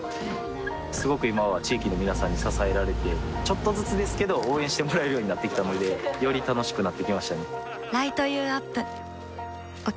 すごく今は地域の皆さんに支えられてちょっとずつですけど応援してもらえるようになってきたのでより楽しくなってきましたね